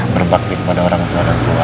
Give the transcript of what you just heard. berbakti kepada orang tua dan tua